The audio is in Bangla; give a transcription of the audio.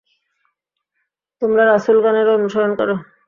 তোমরা রাসূলগণের অনুসরণ কর।